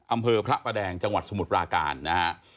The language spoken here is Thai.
อำเภอพระประแดงจังหวัดสมุทรปราการนะฮะ